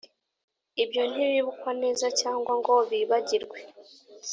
ibyo ntibibukwa neza, cyangwa ngo bibagirwe -